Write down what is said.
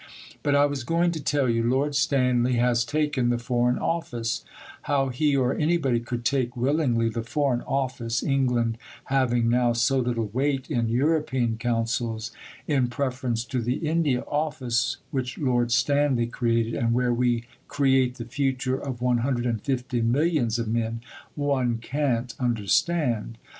But I was going to tell you: Lord Stanley has taken the Foreign Office (how he or anybody could take willingly the Foreign Office, England having now so little weight in European councils, in preference to the India Office which Lord Stanley created and where we create the future of 150 millions of men, one can't understand).